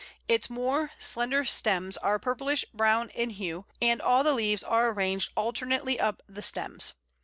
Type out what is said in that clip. Its more slender stems are purplish brown in hue, and all the leaves are arranged alternately up the stems.